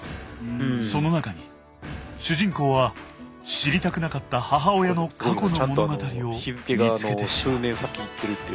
その中に主人公は知りたくなかった母親の過去の物語を見つけてしまう。